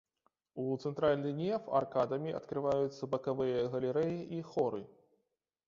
У цэнтральны неф аркадамі адкрываюцца бакавыя галерэі і хоры.